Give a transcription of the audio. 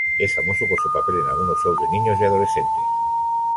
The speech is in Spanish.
Es famoso por su papel en algunos "shows" de niños y adolescentes.